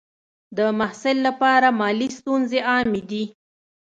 د محصل لپاره مالي ستونزې عامې دي.